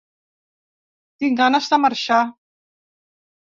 Tinc ganes de marxar.